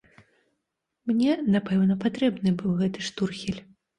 Мне, напэўна, патрэбны быў гэты штурхель.